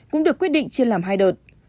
cũng được quyết định chia làm hai đợt